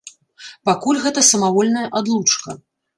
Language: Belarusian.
Пакуль гэта самавольная адлучка.